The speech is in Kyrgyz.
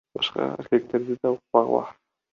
Башка эркектерди да укпагыла.